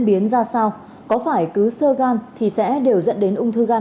xin chào và hẹn gặp lại